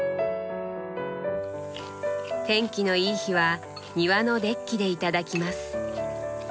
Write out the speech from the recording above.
天気のいい日は庭のデッキで頂きます。